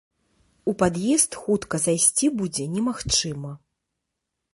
У пад'езд хутка зайсці будзе немагчыма!